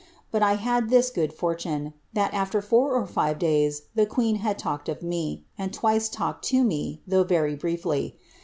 But I had this food fortune, that after four or five days the queen had talked of me, lod twice talked to me, though very briefly.